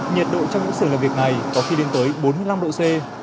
nhiệt độ trong những xưởng làm việc này có khi đến tới bốn mươi năm độ c